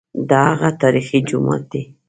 دا هغه تاریخي جومات دی.